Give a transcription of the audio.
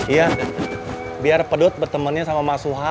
iya biar pedut bertemannya sama mas suha